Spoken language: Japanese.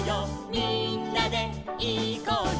みんなでいこうよ」